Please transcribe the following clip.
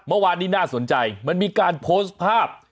เมื่อวานนี้น่าสนใจมันมีการโพสต์ภาพ